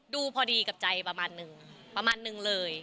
ดูพอดีกับใจประมาณนึงประมาณนึงเลย